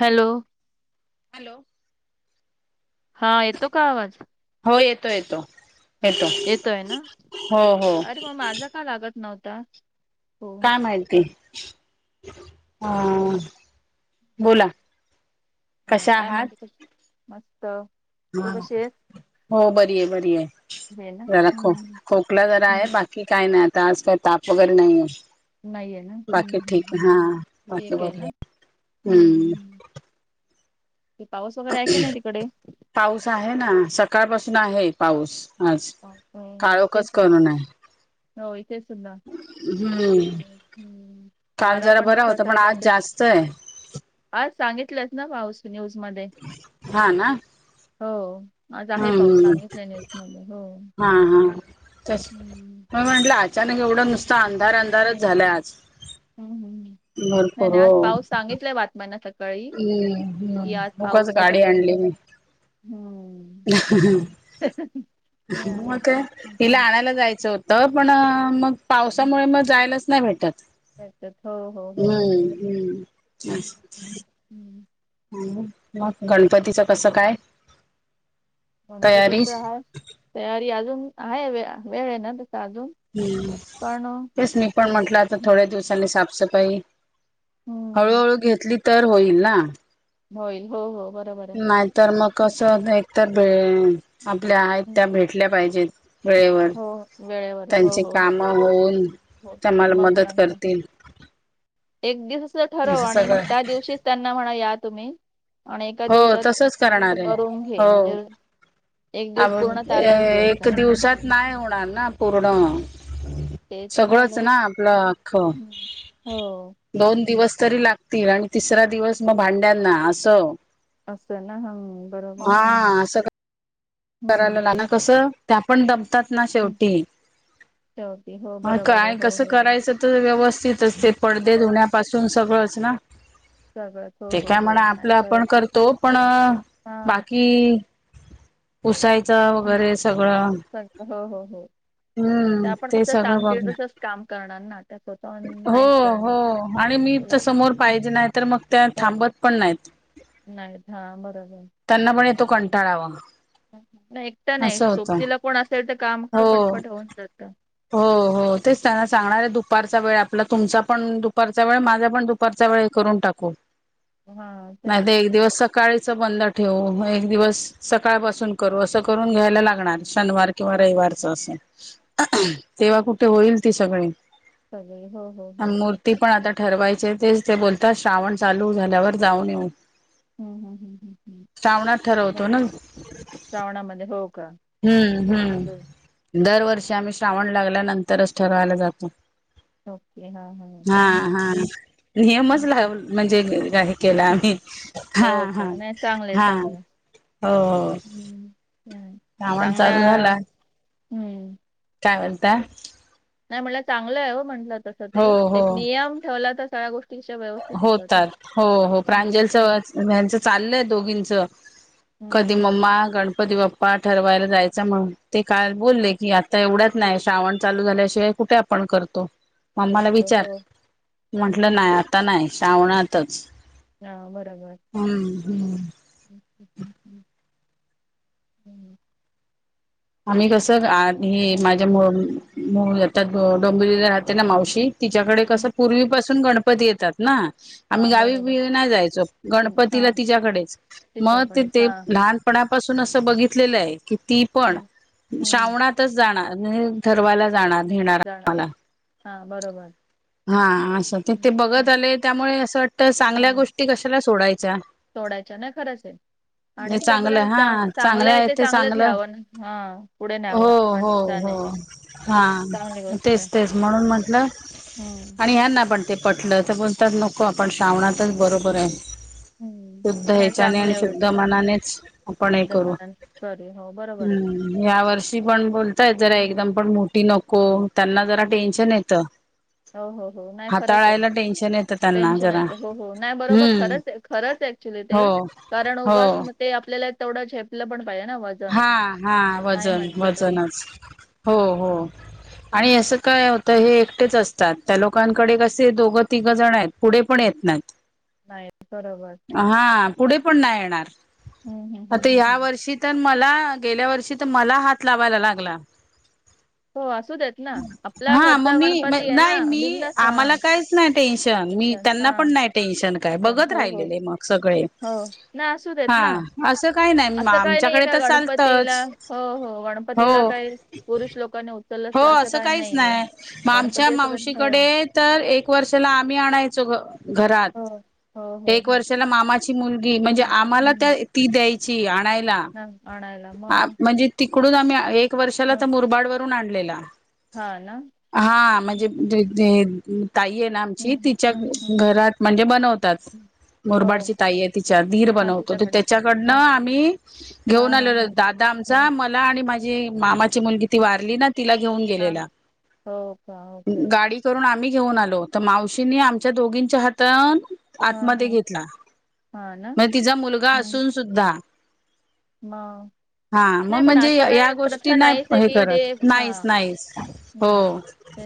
Hello hello हा येतो का आवाज हो येतो येतो येतो येतोय ना हो हो अरे मग माझा का लागत नव्हता हो काय माहिती ह बोला कशा काय म्हणते कशी मस्त तू हा कशी आहेस हो बरी ये बरी ये हे ना जरा खो हम्म खोकला जरा आहे हम्म बाकी - काही नाही आता आज काय ताप वगैरे नाही ये. नाहीये ना हम्म बाकी हम्म ठीक हम्म हा बाकी ठीक आहे बरी ना ये हम्म ते पाऊस वगैरे आहे की नाही तिकडे पाऊस आहे ना सकाळपासून आहे पाऊस आज पाऊस, हो इथे काळोखच पण करून आहे. हो इथे सुद्धा हम्म हम्म काल वारा जरा पण बरा तसाच होता आज तेवढाच ये. जास्त आहे आज सांगितलत ना पाऊस न्यूज मध्ये हा ना हो आज आहे पाऊस हम्म सांगितलंय न्यूज मध्ये हो हम् हा हा तस हम्म म म्हंटल आज अचानक एवढं नुसता अंधार अंधारच झालंय आज ह् नाही भरपूर नाही हो आज पाऊस सांगितलाय बातम्यांना तर हम्म हम्म उगाच गाडी आणली मी ह ह मग काय हिला आणायला जायचं होतं. तर पण मग हम्म. पावसामुळे मग जायलाच नाही भेटत त्याच्यात हो हो हो हो हम्म हम्म हम् ह मग गणपतीचं कसं काय तयारी गणपतीच हा तयारी अजून आहे व वेळ ये ना तसा अजून. हम् पण तेच मी पण म्हंटलं आता थोड्या दिवसांनी साफसफाई हम्म हळूहळू घेतली तर होईल ना होईल हो हो ब नाहीतर मग कसं एकतर भे आपल्या आहेत हम्म. त्या भेट उठल्या पाहिजेत वेळेवर हो वेळेवर हो त्यांची हो हो हो कामं होऊन हो त्या मला मग मदत नंतर करतील एक दिवसं ठरव, असं आणि मग सगळं त्या दिवशीच त्यांना म्हणा या तुम्ही आणि एका हो दिवसात तसंच त्त करणार आहे करून घे हो म्हणजे एक दिवस पूर्ण त्यालाच दयून टाक. नाय होणार ना पूर्ण. ते तर सगळंच झालं ना आपलं अक्ख हम्म. हो दोन दिवस तरी लागतील आणि तिसरा दिवस मग भांड्यांना असं. असं ना? हं हाआ, सगळं हम्म करायला ना कसं? त्या पण दपतात ना हं. शेवटी. शेवटी हो पण बरोबर आहे काय हो कसं हो हो करायचं तर व्यवस्थित असते पडदे धुण्यापासून सगळंच ना? सगळंच हो ते हो काय हो म्हणा नाही आपलं तर आपण करतो पण हा बाकीई पुसायचं हं. वगेरे सगळं सगळं हो हो हो आणि हं, आपण ते कसं सगळं बघ, सांगतील तसंच काम करणार ना त्या स्वतःहून हो नाहीच हो करणार आणि मी तस लक्ष समोर हं. पाहिजे नाही तर मग त्या थांबत पण नाहीत नाहीत. हा, बरोबर. त्यांना पण येतो कंटाळा वा न एकटं नाही, सोबतीला कोण असेल तर काम हो पटपट होऊन जातं. हो हो, तेच त्यांला हं. सांगणारे तू पारचा वेळ आपला तुमचा पण दुपारचा वेळ माझा पण दुपारचा वेळे करून टाकू. हा ते नाही त एक दिवस सकाळीचं बंद ठेव, म एक दिवस सकाळपासून करू, असं करून घ्यायला लागणार शनवार किंवा रैवारचं असं. अअखह तेव्हा कुठे होईल ती सगळे [unintelligible] होहो हो. पणआता ठरवायचे तेच ते बोलतात श्रावण चालू झाल्यावर जाऊन येऊ. हम्म हम्म हम्म हम्म श्रावणात ठरवतो ना? श्रावणामधे हो का? हं हं, दरवर्षी आम्ही श्रावण लागल्यानंतरच ठरवायला जातो. ओके हा हा चांगलं आहे हा, नियमच हं, लावून म्हणजे हे केलं हं. आम्ही. हा हो हा, का नाही चांगलंय हा चांगलंय होओ. हं चांगल्या हं काय वणता? नाही म्हटलं चांगलं आहे हो म्हंटलं तसं हो ते, हो एक नियम ठेवला तर सगळ्या गोष्टी होतात. हो हो, हम्म हम्म प्रांजलचं, यांचं चाललंय दोघींचं. हम्म कधी हम्म मम्मा हम्म गणपती बाप पा ठरवायला जायचं म्हणून ते काल बोलले हम्म, की आत्ता एवढ्यात हम्म. नाही, श्रावण चालू झाल्याशिवाय कुठे आपण करतो? मम्माला करतो विचार, हो हम्म म्हटलं हम्म नाही हम्म. आत्ता आता नाही श्रावणातच. हां बरोबर. हम्म, हम्म. ओके ह हम्म. आम्ही कसं गा हे हो माझ्या मु मु ह्याच्यात डोंबिवलीला राहते ना मावशी? तिच्याकडे कसं हम्म पूर्वीपासून गणपती येतात ना? आम्ही हा गावी बरोबर बिवी नाही जायचो. हम्म गणपतीला हा तिच्याकडेच मग ते टीचरकडेच ते हा लहान पणापासून असं बघितलेलं आहे की ती पण हम्म हम्म श्रावणातच जाणार ना ठरवाला जाणार नेणार जाणार आम्हाला हा बरोबर हा असं हम्म तिथे बघत हम्म आले त्यामुळे असं वाटतं चांगल्या माहित गोष्टी कशाला सोडायच्या सोडायच्या नाय खरंच आहे आणि तर आपल्या चां चांगलं आहे ते चांगलंच घ्यावं हा पुढे न्यावं हो हो माणसाने हो हा चांगली तेच तेच म्हणून म्हटलं हम्म स्त्रियांना पण ते पटलं तर बोलतात नको आपण श्रावणातच बरोबर आहे हं. शुद्ध नाही ह्याच्याने चांगलं आणि आहे शुद्ध उलट मनानेच आपण हे शुद्ध करू मनाने करू. हो बरोबर आहे. हम्म या वर्षी पण बोलताय जरा हं, एकदम पण मोठी नको त्यांना जरा हं. टेन्शन येतं हो हो हो नाही खरंच आहे हाताळायला टेन्शन येतं त्यांना टेन्शन जरा येत हो हो नाही बरोबर हम्म खरंच आहे खरंच आहे ऍक्च्युली ते हो कारण हो उगाच ते आपल्याला तेवढ झेपलं पण पाहिजे ना वजन हा हा नाही वजन म्हटलं तरी वजनच हो हो आणि असं काय होतं हे एकटेच असतात त्या लोकांकडे कसे दोघं तिघं जण आहेत पुढे पण येत नाही [unintelligible] नाही बरोबर हा पुढे पण नाही येणार हं, हं, हं, आता हं, या हं. वर्षी तर मला गेल्या वर्षी तर मला हात लावायला लागला हो, असू देत ना. आपला हा घरचा मम्मी मी गणपती आहे ना नाही मी बिनधास्त. आम्हाला हां. काहीच नाही टेन्शन अच्छा मी त्यांना पण नाही टेन्शन काय चल. बघत हो, हो. राहिलेले मग सगळे हो ना हा असं काही नाही माम नाही का गणपतीला हो हो गणपतीला हो काय पुरुष लोकांनी उचलंच नाही हो असं काहीच नाही मग आमच्या असं कधी हो मावशीकडे तर एक वर्षाला आम्ही आणायचो घरात हो हो हो एक हो वर्षाला मामाची मुलगी म्हणजे हम्म, आम्हाला त्या हम्म. ती द्यायची आणायला [unintelligible] आ म्हणजे तिकडून आम्ही एक वर्षाला हा तर मुरबाड वरून आणलेला हा ना हा हम्म, म्हणजे जे हम्म, जे ताई आहेत आमची हम्म, तिच्या हम्म, हम्म, घरात म्हणजे बनवतात हम्म. हो मोरबाडची ताई आहे तिच्या दीर हा बनवतो तिच्याकडे त्याच्याकडनं हा आम्ही हा घेऊन हा हा दादा हा आमचा मला आणि माझी मामाची मुलगी ती वारली ना तिला घेऊन हा गेलेला हो का ओके गाडी करून आम्ही घेऊन आलो तर मावशीने आमच्या दोघींच्या हातात हा आतमध्ये हा घेतला हा ना मग तिचा मुलगा हम्म. असून सुद्धा मग हा मग पण म्हणजे असं या काय गोष्टी प्रथा नाहीच नाही आहे हे की ते करत हा नाहीच नाहीच हो हम्म [unintelligible]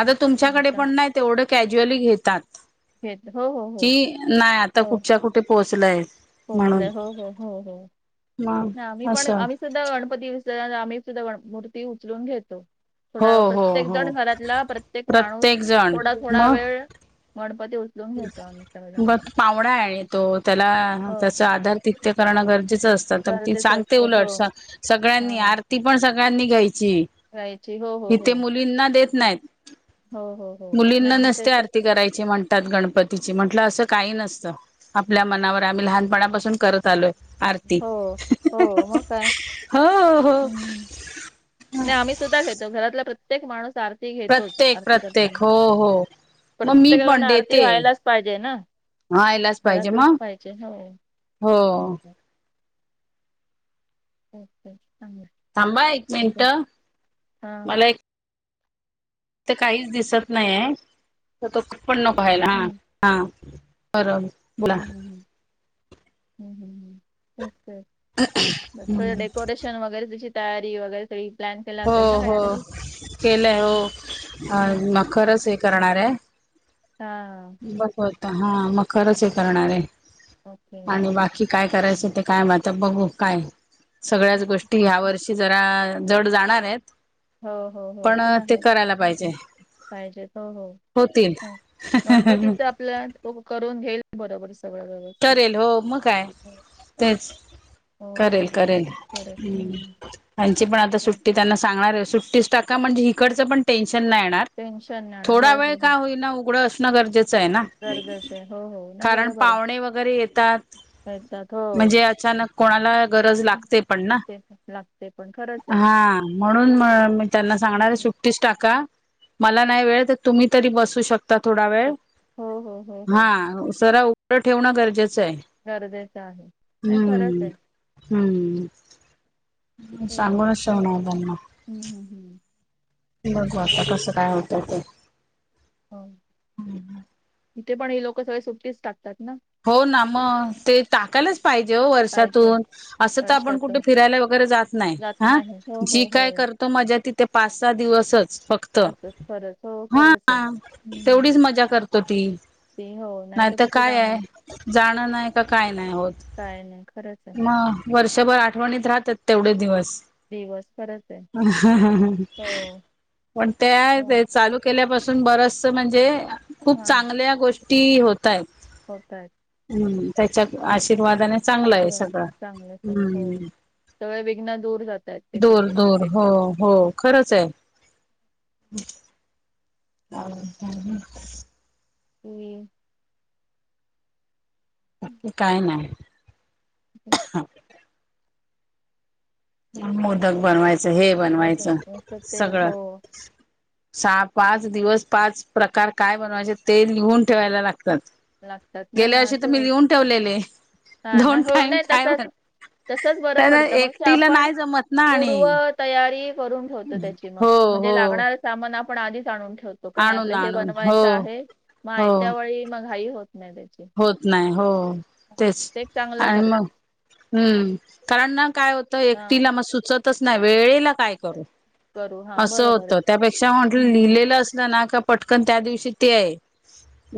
आता तुमच्याकडे हम्म. पण नाय तेवढं कॅज्युअली घेतात घेत हो हो हो कि नाही आता कुठच्या कुठे पोहोचलाय पोहचलाय हो हो हो हो मग ना मी पण असं आम्ही सुद्धा गणपती विसर्जनाला आम्ही सुद्धा गणपती मूर्ती उचलून घेतो हो थोडा हो प्रत्येक हो जण घरातला प्रत्येक माणूस थोडा थोडा वेळ गणपती उचलुन मग पावणा आहे तो. त्याला हो त्याचा आधार ते करण गरजेच असत. तर ती गरजेचं सांगते असतं उलट हो स सगळ्यांनी हा आरती ती पण सगळ्यांनी घ्यायची. जायची हो हो इथे हो मुलींना देत नाहीत. हो हो हो नाही मुलींना आमच्या नसते इथे आरती करायची म्हण तात गणपतीची. म्हटल अस काही नसत. आपल्या मनावर आम्ही लहानपणापासून करत आलोय. आरती हो हो मग काय हो हो हम्म, नाही आम्ही सुद्धा घेतो. घरातला प्रत्येक माणूस आ रती घेतोच. प्रत्येक आरती प्रत्येक करताना हो हो मग मी प्रत्येकाकडन पण आरती देते व्हायलाच पाहिजे ना. हा यायलाच पाहिजे घरातलच मग पाहिजे हो. हो ओके चांगल आहे. थांबा एक मिनट. हा मला एक तर काहीच दिसत नाही आहे. तर तो पण न पाहायला. हा हा बर हम्म हम्म हम्म हम्म हम्म हम्म तेच ते ब थोड डेकोरेशन वगैरे त्याची तयारी वगैरे सगळी प्लॅन केला हो असेल ना हो काहीतरी केलय मग हो. हम्म. मखरच हे करणार आहे. हा बस होत. हा मखरच हे करणार आहे. ओके आणि बाकी काय करायच ते काय माहिती आता बघू. काय सगळ्याच हम्म. गोष्टी ह्या वर्षी ही जरा जड जाणार आहेत. हो हो हो पण ते आहे. करायला पाहिजे पाहिजेत हो हो. होतील गणपतीच आपल्या तो करून घेईल बरोबर सगळ वेव करेल हो मग काय, तेच. हो करेल हो करेल हम्म, आमची पण आता सुट्टी त्यांना सांगणार आहे सुट्टीस टाका. म्हणजे इकडच पण टेन्शन नाही येणार. टेन्शन नाही येणार. थोडा हो वेळ हो हो का होईना, उघड असण गरजेच आहे ना. गरजेचं आहे हो हो नाही कारण बरोबर आहे पाहुणे वगैरे येतात. येतात हो म्हणजे अचानक कोणाला गरज लागते पण ना. लागते पण खर हा म्हणून म मी त्यांना सांगणार आहे हं, सुट्टी ट्टीच टाका. मला नाही वेळ तर तुम्ही तरी बसू शक ता थोडा वेळ. शक हो, हो, हो, हा हो. जरा उघड ठेवण गरजेच आहे. गरजेच आहे. नाही खरच हम्म आहे. हम्म, सांगूनच ठेवणार त्यांना. हम्म हम्म हम्म बघू आता कस काय होतय ते. हो, इथे पण हे लोक सगळे सुट्टीच टाकतात ना? हो ना मग, ते टाकायलाच पाहिजे हो पाहिजे वर्षातून. असच त आपण कुठे वर्षातून फिरायला वगैरे जात नाही. हा हो हो हो त मज्या तिथे पाच सहा दिवसच फक्त. त, असंच खरंच. हो, हा खरंच आहे. हं. तेवढीच मज्जा करतो ती. ते हो, नाही तर कुठे जाणार. जाण नाही का. काय नाही होत. काय नाही. खरंच आहे. हा, वर्षभर आठवणीत राहतात तेवढे दिवस. दिवस खरंच आहे. हं हं हं हो. पणं ते हो. हांय चालूं केल्यांपासून बरंस म्हणजे खूंप चांगल्या गोष्टी होतं आहेतं. होतांयेतं. हम्मं त्यांच्या आशीर्वादाने चांगलं आहे आशीर्वाद सगळं. चांगलं सगळं. हो. हम्मं. सगळे विघ्न दूर जातायत. एक, दूंर एक, एक, एक, दूंर एक. हो हो खरंच आहे. हां मी. कायं नांय. हं मोदक बनवायचं हे मग बनवायचं तसं ते सगळं. हो सहा पांच दिवसं पांच प्रकांर कायं बणवायचे ते लिहूंन ठेवायला लागतांत. लागतात ना गेल्यां हा वर्षी ते तरं मी लिहूंन ठेवलेले. हा ना हो नाही तसंच तसंच बरं पडतं मग ते एकटीला आपण नाहीं जमतं नां आणि. पूर्व तयारी करूंन ठेवतं त्यांची मंग हो म्हणजे हो लागणारं सामांन आपणं आधींच आणूंन ठेवतो. लोकां नाहीं आणून आपल्यां हे आणून हो बनवायचं आहे मगं आयत्यां वेळी मंग घ घाई होतं नाहीं त्यांची. होतं नाहीं हो. तेचं चांगलं आणि मंग करते हम्मं कारणं नां कायं होतं हा एकटीलां मंग सुचतं तेचं नाहीं वेळं ही लागतं कायं अरे, करूं करू हा असं बरोबर आहे होतं त्यांपेक्षा म्हटलं हम्म. लिहिलेलं असलं नां कां पटंकन त्यां दिवशी ते आहे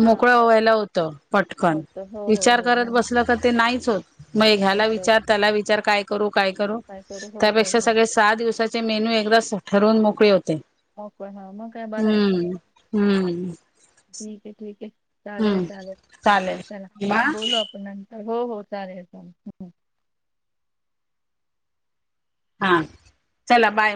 हा मोकळं बरोबर व्हांयला होतं. पटंकन होतं हो हो विचांर हो करतं नाही बसलं तरं ते नाहींच होतं मंग नाही ह्यांला तर विचांर त्यांला विचांर कांय करूं कायं करूं काय करू हो हो त्यांपेक्षा हो सगळें सहा दिवसांचे मेनू एकदाचं ठरवूंन मोकळी होते. होकं हां मंग कायं बरं आहेे. हम्मं. ठीक आहे ठीकंय चालेल चालेल चालेल बा चलां बोलूं आपणं सगळं होतां रेहेतां हां चलां बांय.